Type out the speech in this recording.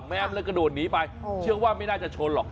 แมมเลยกระโดดหนีไปเชื่อว่าไม่น่าจะชนหรอก